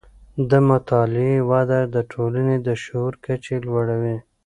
د مطالعې وده د ټولنې د شعور کچې لوړوي.